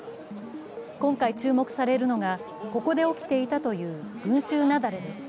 今回注目されるのが、ここで起きていたという群集雪崩です。